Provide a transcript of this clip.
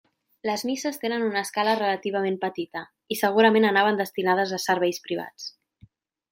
Les misses tenen una escala relativament petita, i segurament anaven destinades a serveis privats.